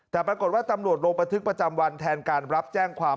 แต่ปรากฏว่าตำรวจลงบันทึกประจำวันแทนการรับแจ้งความ